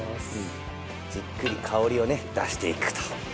じっくり香りをね出していくと。